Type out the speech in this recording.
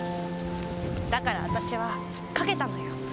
だから私は賭けたのよ。